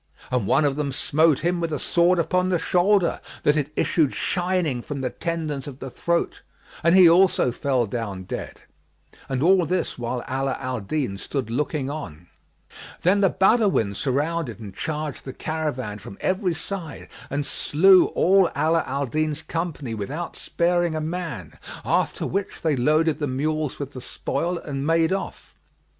and one of them smote him with a sword upon the shoulder, that it issued shining from the tendons of the throat, and he also fell down dead. (And all this while Ala Al Din stood looking on.) Then the Badawin surrounded and charged the caravan from every side and slew all Ala al Din's company without sparing a man: after which they loaded the mules with the spoil and made off.